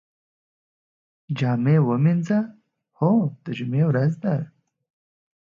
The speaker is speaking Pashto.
جامی ومینځئ؟ هو، د جمعې په ورځ